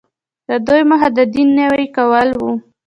د دوی موخه د دین نوی کول وو.